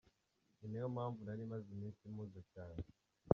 Ni nayo mpamvu nari maze iminsi mpuze cyane.